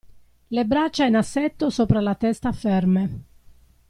Le braccia in assetto sopra la testa ferme.